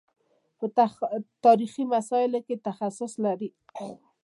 په تاریخي مسایلو کې تخصص لري.